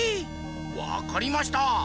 わかりました！